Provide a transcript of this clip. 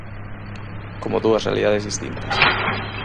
Como dúas realidades distintas...